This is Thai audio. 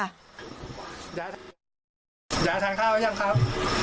ยายทางข้าวมั้ยยังครับ